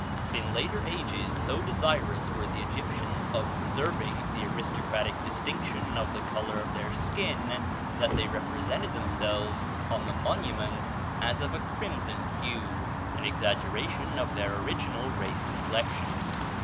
In later ages so desirous were the Egyptians of preserving the aristocratic distinction of the color of their skin, that they represented themselves on the monuments as of a crimson hue an exaggeration of their original race complexion.